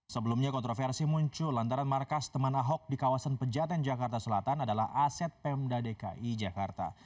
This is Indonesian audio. sebelumnya kontroversi muncul lantaran markas teman ahok di kawasan pejaten jakarta selatan adalah aset pemda dki jakarta